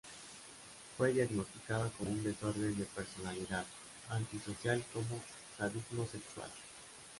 Fue diagnosticado con un desorden de personalidad antisocial con sadismo sexual.